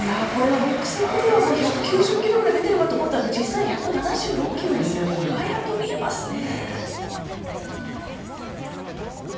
目測では１９０キロぐらい出ているかと思ったんですが実際は１７６キロですよね速く見えますね。